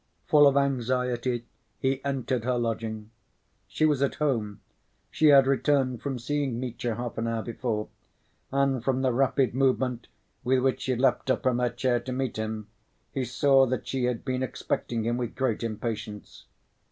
Full of anxiety he entered her lodging. She was at home. She had returned from seeing Mitya half an hour before, and from the rapid movement with which she leapt up from her chair to meet him he saw that she had been expecting him with great impatience.